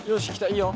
いいよ。